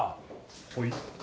ほい。